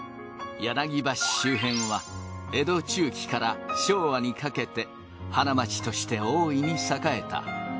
柳橋周辺は江戸中期から昭和にかけて花街としておおいに栄えた。